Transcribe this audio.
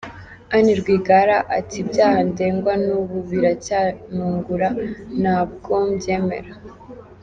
Anne Rwigara at “ibyaha ndegwa n’ubu biracyantungura ,ntabwo mbyemera.”